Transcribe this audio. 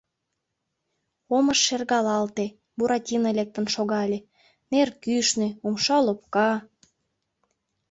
Омыж шергалалте, Буратино лектын шогале: нер кӱшнӧ, умша лопка.